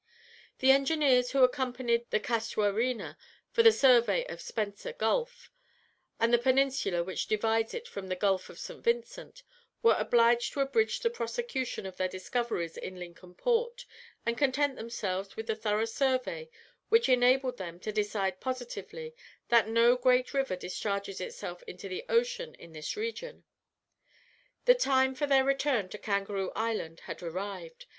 The engineers who accompanied the Casuarina for the survey of Spencer Gulf, and the peninsula which divides it from the Gulf of St. Vincent, were obliged to abridge the prosecution of their discoveries in Lincoln Port, and content themselves with the thorough survey which enabled them to decide positively that no great river discharges itself into the ocean in this region. The time for their return to Kangaroo Island had arrived.